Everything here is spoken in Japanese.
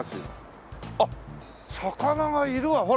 あっ魚がいるわほら！